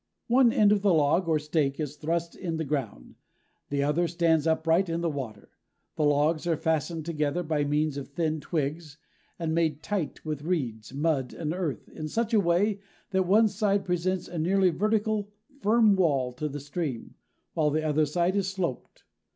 One end of the log or stake is thrust in the ground, the other stands upright in the water; the logs are fastened together by means of thin twigs and made tight with reeds, mud and earth, in such a way that one side presents a nearly vertical, firm wall to the stream, while the other side is sloped.